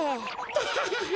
タハハハ。